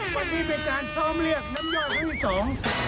วันนี้เป็นการซ้อมเรียกน้ำยอดครั้งที่สอง